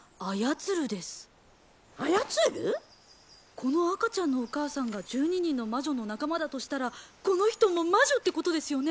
この赤ちゃんのお母さんが１２人の魔女の仲間だとしたらこの人も魔女ってことですよね。